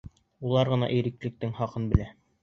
Улар ғына иреклектең хаҡын белә.